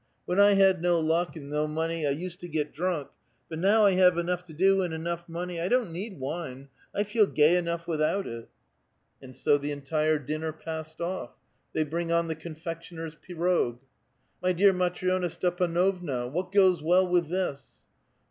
When I had no luck, and no monevi I used to get drunk ; but now I have enough to do, and enough money, I don't need wine ; I feel gay enough without it." And so the entire dinner passed off. They bring on the confectioner's pirog, *' My dear Matri6na Stepan6vna, what goes well with this?" A VITAL QUESTION.